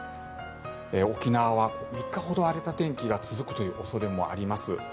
沖縄は３日ほど荒れた天気が続くという恐れもあります。